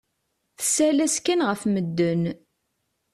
Tessal-as kan ɣer medden.